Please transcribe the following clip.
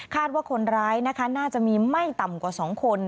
ว่าคนร้ายนะคะน่าจะมีไม่ต่ำกว่า๒คน